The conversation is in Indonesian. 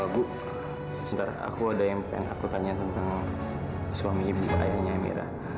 bu sebentar aku ada yang pengen aku tanya tentang suami ibu ayahnya mira